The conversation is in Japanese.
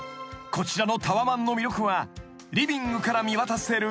こちらのタワマンの魅力はリビングから見渡せる］